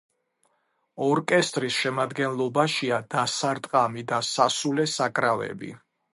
ორკესტრის შემადგენლობაშია დასარტყამი და სასულე საკრავები.